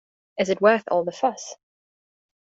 Is it worth all the fuss?